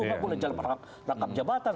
gak boleh jalan merangkap jabatan